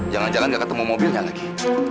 jangan jangan nggak ketemu mobilnya lagi